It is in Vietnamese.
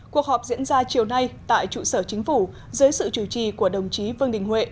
cuộc họp diễn ra chiều nay tại trụ sở chính phủ dưới sự chủ trì của đồng chí vương đình huệ